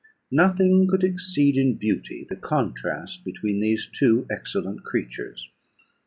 Nothing could exceed in beauty the contrast between these two excellent creatures.